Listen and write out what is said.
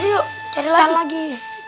yuk cari lagi